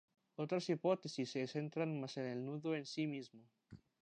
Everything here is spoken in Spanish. Otras hipótesis se centran más en el nudo en sí mismo.